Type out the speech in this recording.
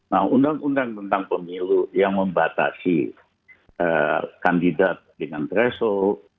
nah undang undang tentang pemilu yang membatasi kandidat dengan threshold